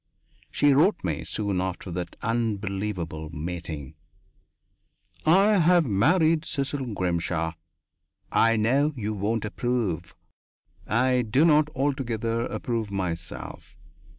She wrote me, soon after that unbelievable mating: "I have married Cecil Grimshaw. I know you won't approve; I do not altogether approve myself.